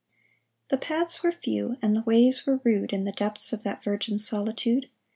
" The paths were few and the ways were rude In the depths of that virgin sohtude.